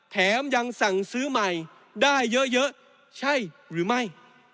แถมยังสั่งซื้อใหม่ได้เยอะใช่หรือไม่